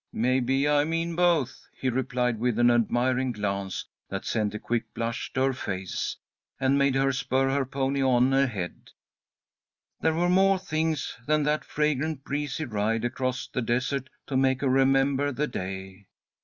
"Maybe I mean both," he replied, with an admiring glance that sent a quick blush to her face, and made her spur her pony on ahead. There were more things than that fragrant, breezy ride across the desert to make her remember the day.